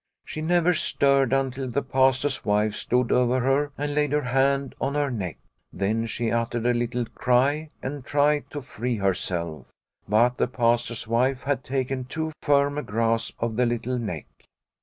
She never stirred until the Pastor's wife stood over her and laid her hand on her neck. Then she uttered a little cry and tried to free herself, but the Pastor's wife had taken too firm a grasp of the little neck.